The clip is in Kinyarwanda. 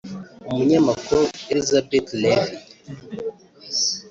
umunyamakuru Élisabeth Lévy